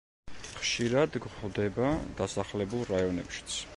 ხშირად გვხვდება დასახლებულ რაიონებშიც.